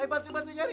ayo bantu bantu nyari